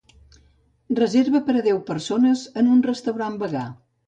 Reserva per a deu persones en un restaurant vegà.